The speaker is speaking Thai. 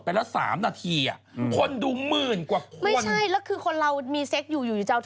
ไม่ใช่คนเรามีเซคอยู่อยู่ในโทรศัพท์